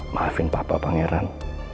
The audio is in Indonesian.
maafin papa pangeran